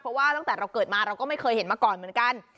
เพราะว่าตั้งแต่เราเกิดมาเราก็ไม่เคยเห็นมาก่อนเหมือนกัน